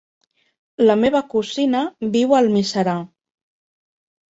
La meva cosina viu a Almiserà.